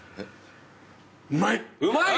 「うまい！」